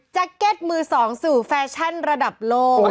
จั๊กเก็ตมือสองสู่แฟชั่นระดับโลก